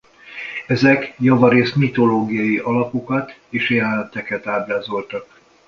Ezek javarészben mitológiai alakokat és jeleneteket ábrázoltak.